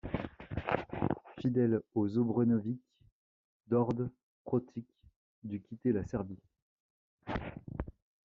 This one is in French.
Fidèle aux Obrenović, Đorđe Protić dut quitter la Serbie.